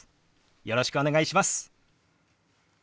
よろしくお願いします。